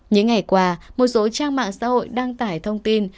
những ngày qua một số trang mạng xã hội đăng tải thông tin